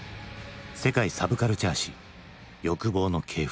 「世界サブカルチャー史欲望の系譜」。